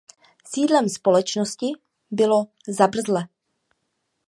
Sídlem společnosti bylo Zabrze.